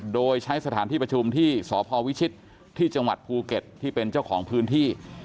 โดยใช้สถานที่ประชุมที่สพวิชิตที่จังหวัดภูเก็ตที่เป็นเจ้าของพื้นที่